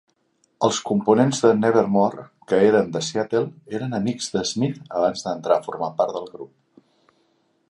Els components de Nevermore, que eren de Seattle, eren amics de Smyth abans d'entrar a formar part del grup.